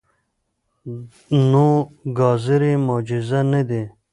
نو ګازرې معجزه نه دي.